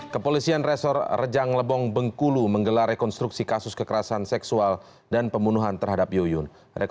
kepolisian resor rejang lebong bengkulu menggelar rekonstruksi kasus kekerasan seksual dan pembunuhan terhadap yuyun